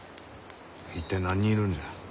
一体何人いるんじゃ？